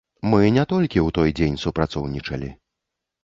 Мы не толькі ў той дзень супрацоўнічалі.